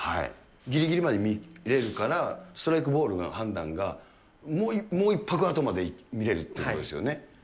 ぎりぎりまで見れるからストライクボールの判断が、もう一拍あとまで見れるということですよ